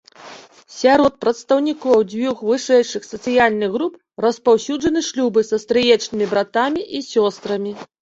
Сярод прадстаўнікоў дзвюх вышэйшых сацыяльных груп распаўсюджаны шлюбы са стрыечнымі братамі і сёстрамі.